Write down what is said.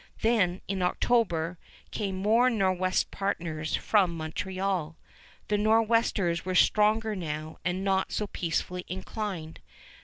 Then, in October, came more Nor'west partners from Montreal. The Nor'westers were stronger now and not so peacefully inclined.